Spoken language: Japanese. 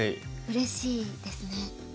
うれしいですね。